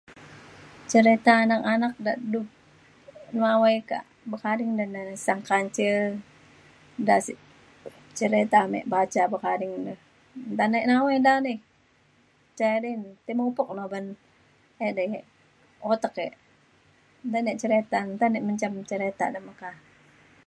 cereta anak anak de du nawai bekading ne ne Sang Kancil da sik cerita ame baca bekading ne. nta ne nawai da odai ca idi na tai mupok ne uban edei ek utek ek. nta nik cereta nta nik menjam cereta da meka